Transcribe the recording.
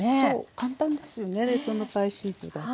簡単ですよね冷凍のパイシートだと。